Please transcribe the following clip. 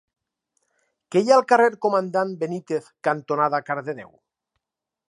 Què hi ha al carrer Comandant Benítez cantonada Cardedeu?